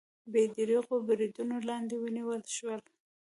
بې درېغو بریدونو لاندې ونیول شول